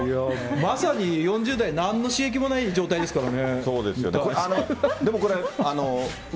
まさに４０代、なんの刺激もない状態ですからね。